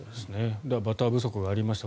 だからバター不足がありました。